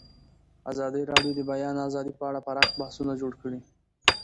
ازادي راډیو د د بیان آزادي په اړه پراخ بحثونه جوړ کړي.